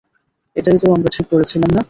এটাই তো আমরা ঠিক করেছিলাম না?